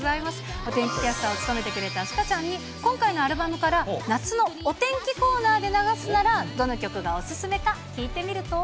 お天気キャスターを務めてくれた朱夏ちゃんに、今回のアルバムから、夏のお天気コーナーで流すならどの曲がお勧めか聞いてみると。